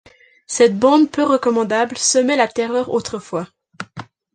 Cette bande peu recommandable semait la terreur autrefois.